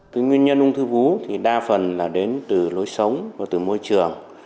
cái nguyên nhân ung thư vú thì đa phần là đến từ lối sống và từ môi trường